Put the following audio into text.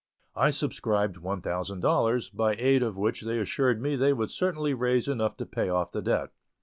I subscribed one thousand dollars, by aid of which they assured me they would certainly raise enough to pay off the debt.